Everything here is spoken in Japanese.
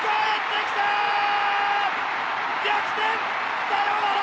逆転サヨナラ！